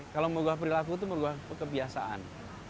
kalau merugah perilaku itu merugah kebiasaan